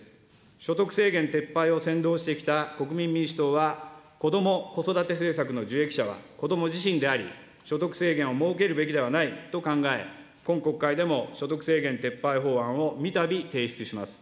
所得制限撤廃を先導してきた国民民主党は、こども・子育て政策の受益者は、子ども自身であり、所得制限を設けるべきではないと考え、今国会でも所得制限撤廃法案をみたび提出します。